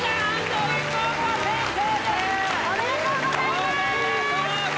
おめでとうございます！